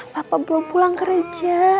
papa belum pulang kerja